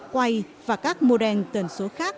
quay và các model tần số khác